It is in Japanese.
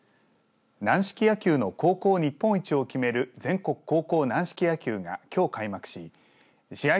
軟式野球の高校日本一を決める全国高校軟式野球がきょう開幕し試合